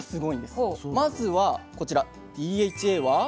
まずはこちらＤＨＡは。